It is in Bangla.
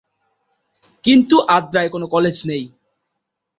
কিন্তু আদ্রায় কোন কলেজ নেই।